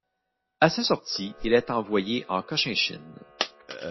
À sa sortie il est envoyé en Cochinchine.